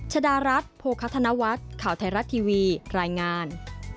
ชดารัฐโภคธนวัฒน์ข่าวไทยรัฐทีวีรายงาน